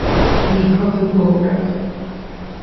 কী হবে বউরানী?